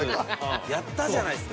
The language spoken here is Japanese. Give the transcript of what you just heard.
やったじゃないすか。